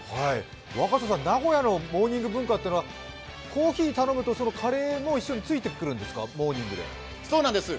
若狭さん、名古屋のモーニング文化っていうのはコーヒー頼むとカレーも一緒にモーニングでついてくるんですか？